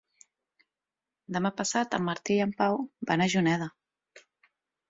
Demà passat en Martí i en Pau van a Juneda.